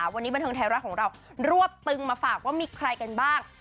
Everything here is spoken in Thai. วันนี้บันเทิงไทยรัฐของเรารวบตึงมาฝากว่ามีใครกันบ้าง